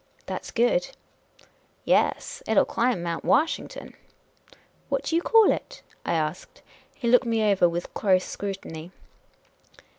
"That 's good." " Yes. It '11 climb Mount Washington." " What do you call it ?" I asked. He looked me over with close scrutiny.